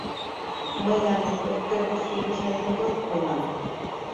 Мый але пӧрткӧргысӧ юж нерген веле тунемам.